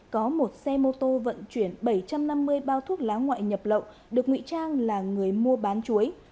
có một xe mô tô vận chuyển bảy trăm năm mươi bao thuốc lá ngoại nhập lậu được nguy trang là người mua bán chuối